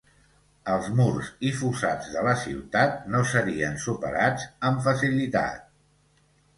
Els murs i fossats de la ciutat no serien superats amb facilitat.